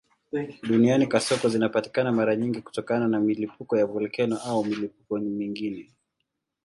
Duniani kasoko zinapatikana mara nyingi kutokana na milipuko ya volkeno au milipuko mingine.